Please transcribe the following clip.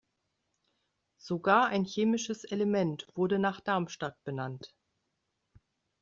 Sogar ein chemisches Element wurde nach Darmstadt benannt.